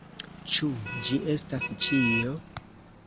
Ĉu ĝi estas ĉio?